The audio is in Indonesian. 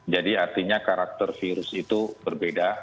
jadi artinya karakter virus itu berbeda